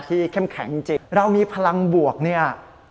เข้มแข็งจริงเรามีพลังบวกเนี่ย